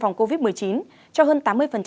phòng covid một mươi chín cho hơn tám mươi